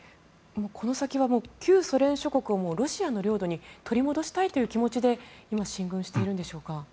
この先は旧ソ連諸国をロシアの領土に取り戻したいという気持ちで今、進軍しているんでしょうか。